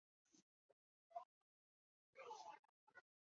杨珙开始封为南昌郡公。